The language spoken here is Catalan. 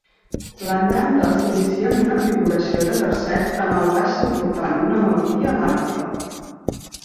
L'andante s'inicia amb una figuració de tercet en el baix suportant una melodia lànguida.